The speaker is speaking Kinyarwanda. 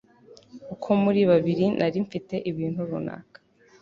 uko muri babiri Nari mfite ibintu runaka